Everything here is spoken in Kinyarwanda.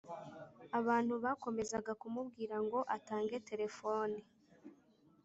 abantu bakomezaga kumubwira ngo atange telefoni